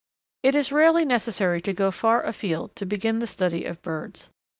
_ It is rarely necessary to go far afield to begin the study of birds.